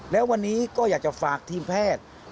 แล้ววันนี้ก็อยากจะฝากทีมแพทย์